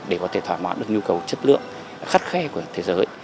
để có thể thỏa mãn được nhu cầu chất lượng khắt khe của thế giới